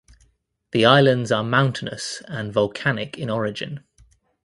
The islands are mountainous and volcanic in origin.